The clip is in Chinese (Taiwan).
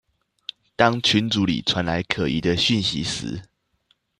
當群組裡傳來可疑的訊息時